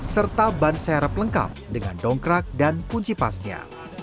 serta ban serap lengkap dengan donkrak dan kunci pasnya